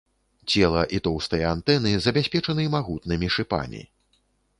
Цела і тоўстыя антэны забяспечаны магутнымі шыпамі.